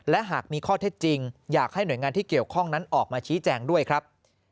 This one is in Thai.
และหากมีข้อเท็จจริงอยากให้หน่วยงานที่เกี่ยวข้องนั้นออกมาชี้แจงด้วยครับ